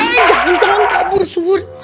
jangan jangan kabur sun